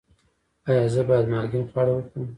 ایا زه باید مالګین خواړه وخورم؟